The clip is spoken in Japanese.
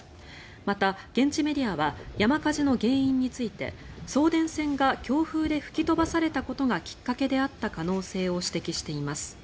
また、現地メディアは山火事の原因について送電線が強風で吹き飛ばされたことがきっかけであった可能性を指摘しています。